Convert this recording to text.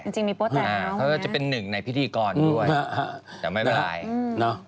อาจจะเป็นหนึ่งในพิธีกรด้วยแต่ไม่เป็นไร